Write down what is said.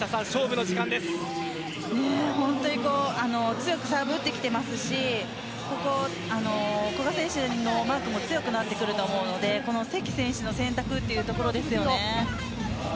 強くサーブを打ってきていますし古賀選手のマークも強くなってくると思うので関選手の選択というところです。